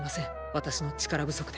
私の力不足で。